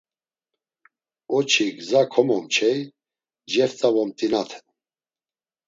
“Oçi gza komomçey, ceft̆a vomt̆inaten.”